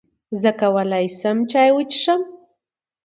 زۀ کولای شم چای وڅښم؟